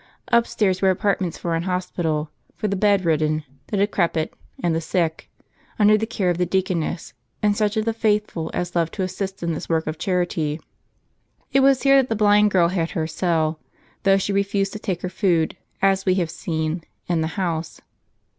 Upstairs were apartments ^ d*"":™ fr°"> d^ RoBsrs ■"^ J. t( Roma Sotteranea." for an hospital for the bed ridden, the decrepit, and the sick, under the care of the deaconesses, and such of the faithful as loved to assist in this work of charity. It was here that the blind girl had her cell, though she refused to take her food, as we have seen, in the house.